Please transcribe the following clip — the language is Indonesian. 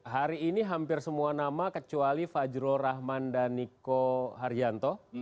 hari ini hampir semua nama kecuali fajrul rahman dan niko haryanto